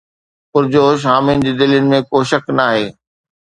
پرجوش حامين جي دلين ۾ ڪو شڪ ناهي